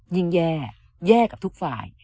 ยิ่งแย่แย่กับทุกฝ่าย